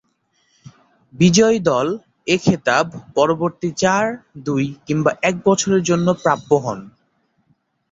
বিজয়ী দল এ খেতাব পরবর্তী চার, দুই কিংবা এক বছরের জন্য প্রাপ্য হন।